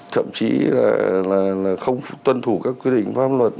thậm chí là không tuân thủ các quy định pháp luật